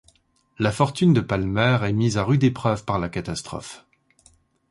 La fortune de Palmer est mise à rude épreuve par la catastrophe.